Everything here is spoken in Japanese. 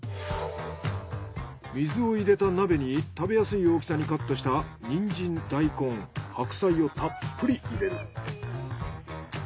水を入れた鍋に食べやすい大きさにカットしたニンジン大根白菜をたっぷり入れる。